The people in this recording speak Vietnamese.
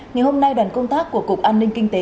ngày hôm nay đoàn công tác của cục an ninh kinh tế